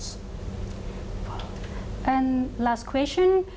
เนื่องจากปัจจุนต่างไทยมีอะไรคุณบอกได้มั้ย